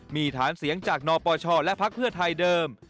มีฐานเสียงจากนปชและพักเพื่อไทยเดิม